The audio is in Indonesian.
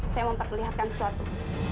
saya mau perlihatkan sesuatu